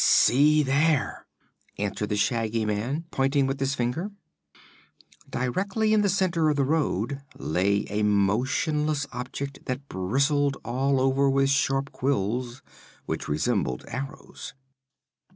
"See there!" answered the Shaggy Man, pointing with his finger. Directly in the center of the road lay a motionless object that bristled all over with sharp quills, which resembled arrows.